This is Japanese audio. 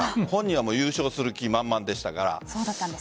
本人は優勝する気満々でしたから。